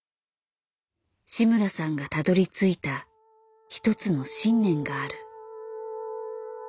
志村さんがたどりついたひとつの信念がある。